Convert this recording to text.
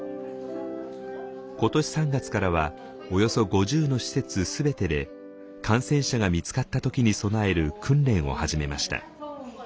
今年３月からはおよそ５０の施設全てで感染者が見つかった時に備える訓練を始めました。